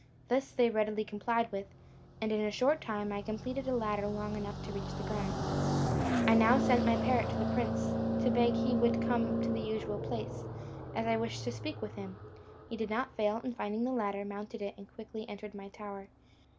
This they readily complied with, and in a short time I completed a ladder long enough to reach to the ground. I now sent my parrot to the prince, to beg he would come to the usual place, as I wished to speak with him. He did not fail; and finding the ladder, mounted it, and quickly entered my tower.